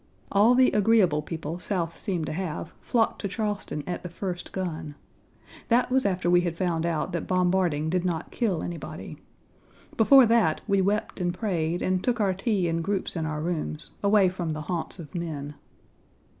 All the agreeable people South seemed to have flocked to Charleston at the first gun. That was after we had found out that bombarding did not kill anybody. Before that, we wept and prayed and took our tea in groups in our rooms, away from the haunts of men.